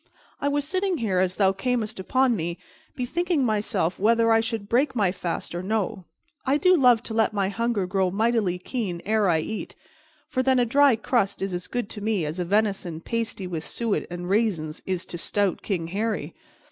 I was sitting here, as thou camest upon me, bethinking myself whether I should break my fast or no. I do love to let my hunger grow mightily keen ere I eat, for then a dry crust is as good to me as a venison pasty with suet and raisins is to stout King Harry.